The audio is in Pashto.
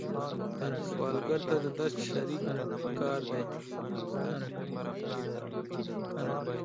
سوالګر ته د درد شریک پکار دی